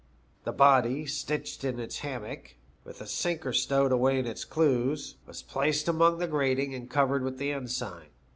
The body, stitched in its hammock, with a sinker stowed away in the clews, was placed upon a grating and covered with the ensign.